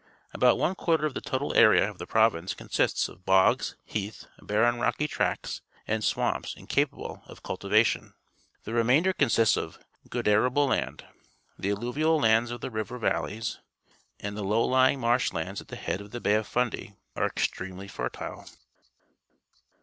About one quarter of the total area of the province consists of bogs, heath, barren rockj^ tracts, and swamps incapable of culti vation. The remainder consists of good NEW BRUNSWICK 97 arable land. The allu%dal lands of the river valleys and the low ljdng marsh lands at the head of the Bay of Fundy are extremely fertile.